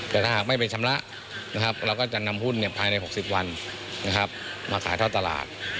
แต่ถ้าหากไม่ไปชำระเราก็จะนำหุ้นภายใน๖๐วันมาขายท่อตลาด